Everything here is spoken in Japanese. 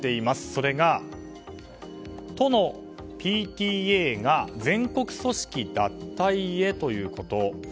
それが、都のＰＴＡが全国組織脱退へということ。